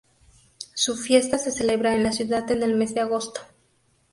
Su fiesta se celebra en la ciudad en el mes de agosto.